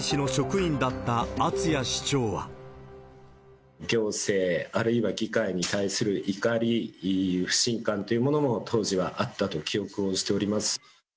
当時、行政、あるいは議会に対する怒り、不信感というものも、当時はあったと記憶をしております。